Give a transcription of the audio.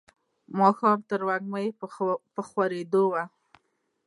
ماښام تروږمۍ په خورېدو وه.